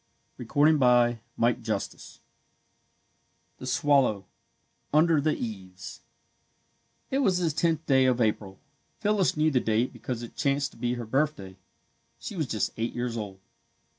THE SWALLOW [Illustration: The Swallow] UNDER THE EAVES It was the tenth day of April. Phyllis knew the date because it chanced to be her birthday. She was just eight years old.